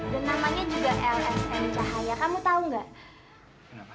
dan namanya juga lsm cahaya kamu tahu nggak